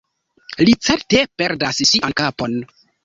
Li certe perdas sian kapon.